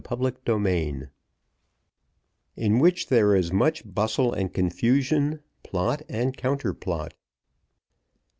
Chapter XLVI In which there is much bustle and confusion, plot and counter plot.